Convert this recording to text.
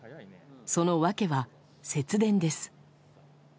その訳は節電です。